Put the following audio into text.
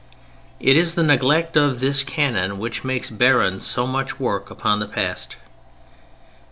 It is the neglect of this canon which makes barren so much work upon the past.